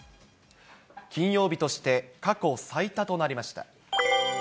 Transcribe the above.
金曜日として過去最多となりました。